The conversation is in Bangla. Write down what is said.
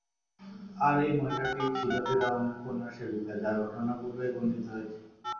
আর এই মহিলাটিই ছিল ফিরআউনের কন্যার সেবিকা, যার ঘটনা পূর্বেই বর্ণিত হয়েছে।